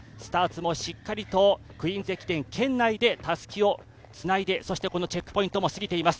しっかりと「クイーンズ駅伝」圏内でたすきをつないで、そしてこのチェックポイントも過ぎています。